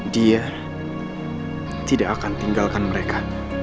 dia tidak akan tinggalkan mereka